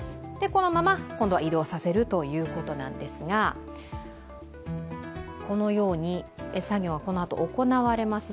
このまま移動させるということなんですがこのように作業はこのあと行われます。